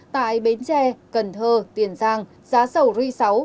tại bến tre cần thơ tiền giang giá sầu ri sáu